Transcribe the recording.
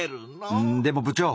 「うんでも部長！」。